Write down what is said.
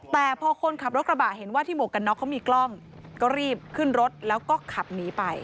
แต่พอคนขับรถกระบะเห็นว่าที่หมวกกันน็อกเขามีกล้องก็รีบขึ้นรถแล้วก็ขับหนีไป